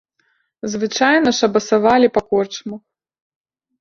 Звычайна шабасавалі па корчмах.